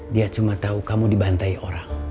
dia cuma tahu kamu dibantai orang